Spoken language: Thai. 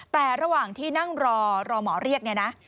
แต่ระหว่างที่นั่งรอรอหมอเรียกเนี่ยนะ